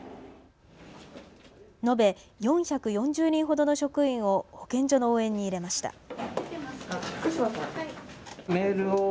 延べ４４０人ほどの職員を保健所の応援に入れました。